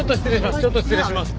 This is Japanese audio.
ちょっと失礼します。